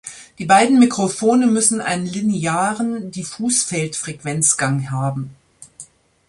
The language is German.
Die beiden Mikrofone müssen einen linearen Diffusfeld-Frequenzgang haben.